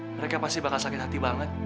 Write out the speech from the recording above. mereka pasti bakal sakit hati banget